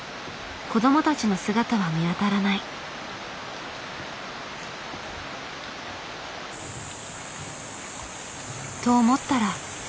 子どもたちの姿は見当たらない。と思ったら。